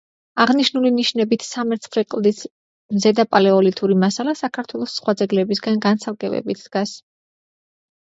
აღნიშნული ნიშნებით სამერცხლე კლდის ზედაპალეოლითური მასალა საქართველოს სხვა ძეგლებისაგან განცალკევებით დგას.